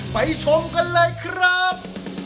ชมกันเลยครับ